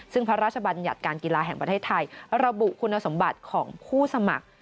ซึ่งพระราชบัญญัติการกีฬาแห่งประเทศไทยระบุคุณสมบัติของผู้สมัคร